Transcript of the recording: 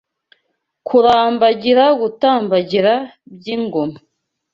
Kurambagira Gutambagira by’ingoma